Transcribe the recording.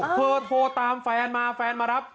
โทรตามแฟนมาแฟนมารับ